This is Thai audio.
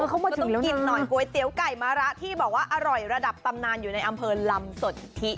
เขามาต้องกินหน่อยก๋วยเตี๋ยวไก่มะระที่บอกว่าอร่อยระดับตำนานอยู่ในอำเภอลำสนทิ